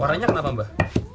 warnanya kenapa mbah